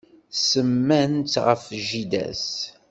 Semman-tt ɣef jida-s.